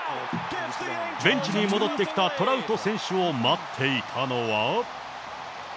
ベンチに戻ってきたトラウト選手を待っていたのは。